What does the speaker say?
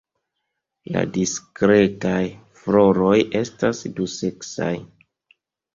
La diskretaj floroj estas duseksaj.